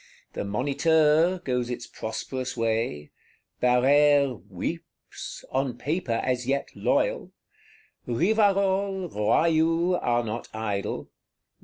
The Moniteur goes its prosperous way; Barrère "weeps," on Paper as yet loyal; Rivarol, Royou are not idle.